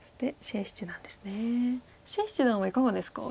謝七段はいかがですか？